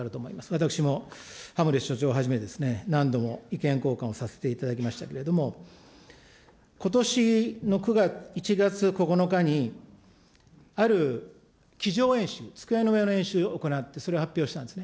私も所長をはじめ何度も意見交換をさせていただきましたけれども、ことしの１月９日に、ある机上演習、机の上の演習を行って、それを発表したんですね。